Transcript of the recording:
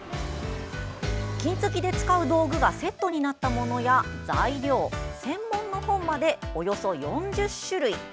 金継ぎで使う道具がセットになったものや材料、専門の本までおよそ４０種類。